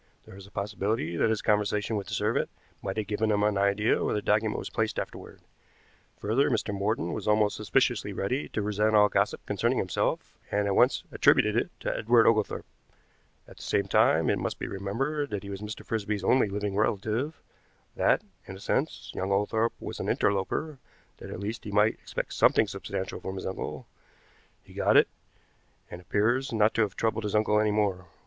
There is a possibility that his conversation with the servant might have given him an idea where the document was placed afterward. Further, Mr. Morton was almost suspiciously ready to resent all gossip concerning himself, and at once attributed it to Edward Oglethorpe. At the same time, it must be remembered that he was Mr. Frisby's only living relative, that, in a sense, young Oglethorpe was an interloper, that at least he might expect something substantial from his uncle. He got it, and appears not to have troubled his uncle any more.